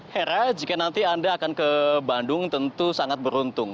hera jika nanti anda akan ke bandung tentu sangat beruntung